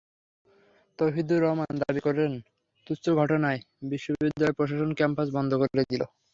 তৌহিদুর রহমান দাবি করেন, তুচ্ছ ঘটনায় বিশ্ববিদ্যালয় প্রশাসন ক্যাম্পাস বন্ধ করে দিল।